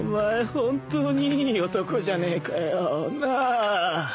本当にいい男じゃねえかよなぁあ。